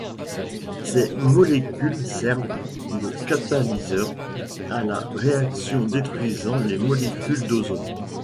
Ces molécules servent de catalyseur à la réaction détruisant les molécules d'ozone.